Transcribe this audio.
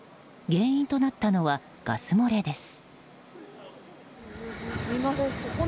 原因となったのはガス漏れです。